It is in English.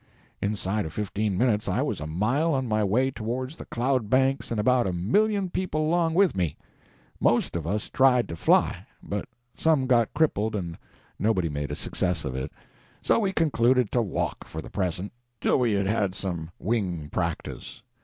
Inside of fifteen minutes I was a mile on my way towards the cloud banks and about a million people along with me. Most of us tried to fly, but some got crippled and nobody made a success of it. So we concluded to walk, for the present, till we had had some wing practice.